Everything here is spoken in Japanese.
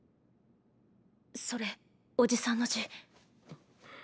それおじさんの字。